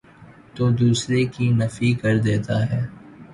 تودوسرے کی نفی کردیتا ہے۔